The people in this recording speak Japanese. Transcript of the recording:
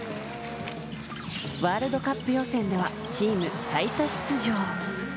ワールドカップ予選ではチーム最多出場。